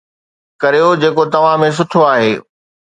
ڪريو جيڪو توهان ۾ سٺو آهي